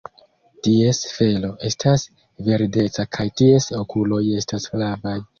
Ties felo estas verdeca kaj ties okuloj estas flavaj.